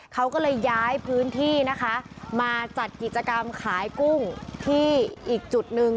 เขาก็เลยย้ายพื้นที่นะคะมาจัดกิจกรรมขายกุ้งที่อีกจุดหนึ่ง